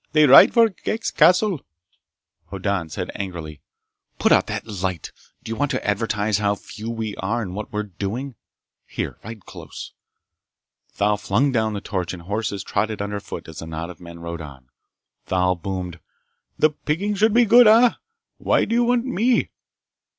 "They ride for Ghek's castle!" Hoddan said angrily: "Put out that light! Do you want to advertise how few we are and what we're doing? Here, ride close!" Thal flung down the torch and horses trod it underfoot as the knot of men rode on. Thal boomed: "The pickings should be good, eh? Why do you want me?"